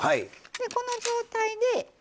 この状態で。